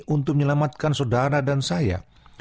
untuk menyelamatkan saudara dan saya